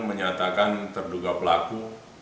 menyatakan terduga pelaku